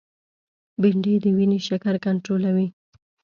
بېنډۍ د وینې شکر کنټرولوي